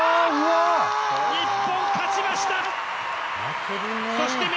日本勝ちました。